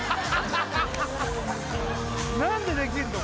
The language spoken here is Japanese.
何でできんの？